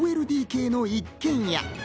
５ＬＤＫの一軒家。